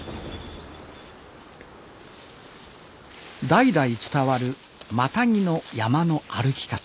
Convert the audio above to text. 代々伝わるマタギの山の歩き方。